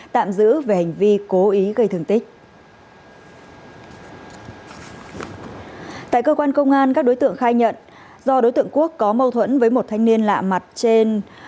trong công an các đối tượng khai nhận do đối tượng quốc có mâu thuẫn với một thanh niên lạ mặt trên